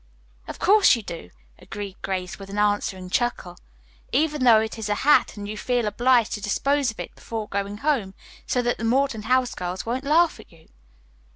"Of course you do," agreed Grace, with an answering chuckle. "Even though it is a hat and you feel obliged to dispose of it before going home, so that the Morton House girls won't laugh at you."